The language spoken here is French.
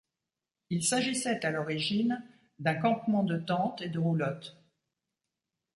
Il s’agissait à l’origine d’un campement de tentes et de roulottes.